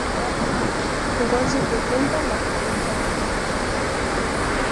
Ngozi kuvimba na kukunjamana